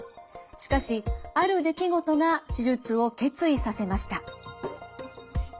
しかしある出来事が手術を決意させました。